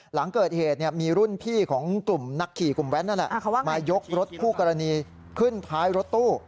หลังเกิดเหตุมีรุ่นพี่ของกลุ่มนักขี่กลุ่มแว้นนั่นแหละมายกรถคู่กรณีขึ้นท้ายรถตู้